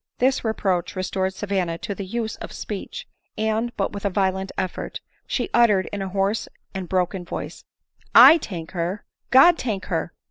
This reproach restored Savanna to the use of speech ; and, (but with a violent effort) she uttered in a hoarse and broken voice, "/tank her ! God tank her!